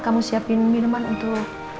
kamu siapin minuman untuk